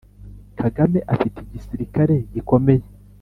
kagame afite igisirikare gikomeye